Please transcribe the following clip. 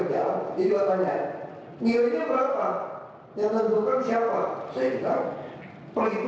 malah langsung kami disertifikasi terus untuk